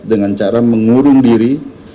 dengan cara mengurung diri